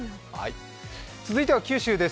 続いては九州です。